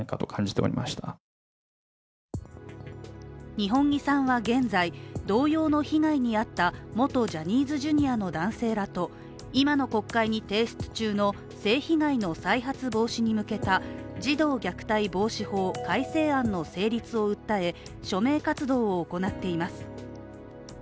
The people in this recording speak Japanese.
二本樹さんは現在、同様の被害に遭った元ジャニーズＪｒ．の男性らと今の国会に提出中の性被害の再発防止に向けた児童虐待防止法改正案の成立を訴え署名活動を行っています。